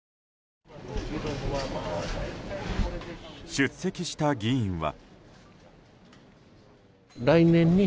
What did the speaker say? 出席した議員は。